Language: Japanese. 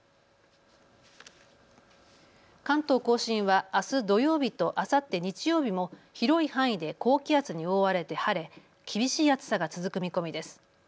関東甲信はあす土曜日とあさって日曜日も広い範囲で高気圧に覆われて晴れ、厳しい暑さが続く見込みです。